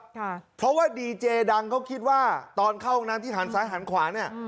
เพราะว่าดีเจดังเขาคิดว่าตอนเข้าห้องน้ำที่หันซ้ายหันขวาเนี่ย